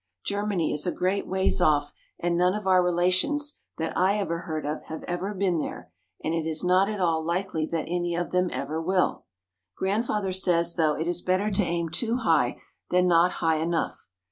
Germany is a great ways off and none of our relations that I ever heard of have ever been there and it is not at all likely that any of them ever will. Grandfather says, though, it is better to aim too high than not high enough.